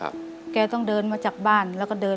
อเรนนี่คือเหตุการณ์เริ่มต้นหลอนช่วงแรกแล้วมีอะไรอีก